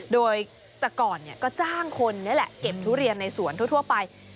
โดยแต่ก่อนก็จ้างคนนี่แหละเก็บทุเรียนในสวนทั่วไป